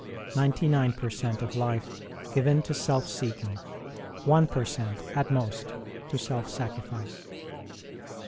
Ninety nine per cent, of life given to self seeking, one per cent., at most, to self sacrifice.